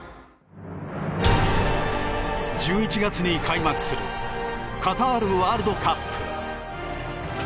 １１月に開幕するカタールワールドカップ。